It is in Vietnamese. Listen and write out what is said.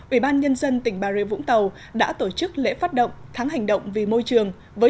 ủy ban nhân dân tỉnh bà rịa vũng tàu đã tổ chức lễ phát động tháng hành động vì môi trường với